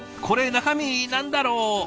これ中身何だろう